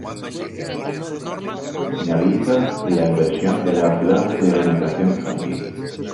Finaliza la inversión de la planta de alimentación infantil.